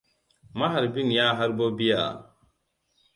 Maharbin ya harbo bear.